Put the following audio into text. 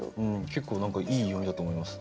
結構何かいい読みだと思います。